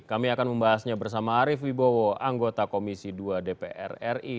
kami akan membahasnya bersama arief wibowo anggota komisi dua dpr ri